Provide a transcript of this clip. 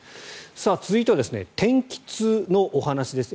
続いては天気痛のお話です。